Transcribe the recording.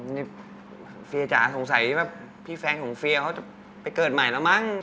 นี่เฟียจ๋าสงสัยแบบพี่แฟนของเฟียเขาจะไปเกิดใหม่แล้วมั้ง